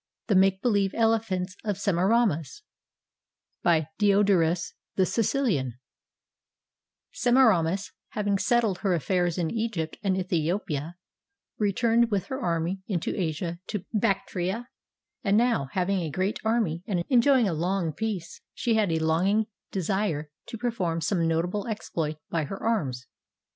THE MAKE BELIEVE ELEPHANTS OF SEMIRAMIS BY DIODORUS THE SICILIAN Semiramis, having settled her affairs in Egypt and Ethiopia, returned with her army into Asia to Bactria; and now having a great army and enjoying a long peace, she had a longing desire to perform some notable exploit by her arms.